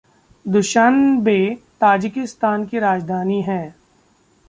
Dushanbe Tajikistan की राजधानी है।